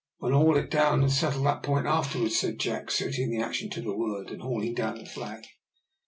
"We'll haul it down, and settle that point afterwards," said Jack, suiting the action to the word and hauling down the flag.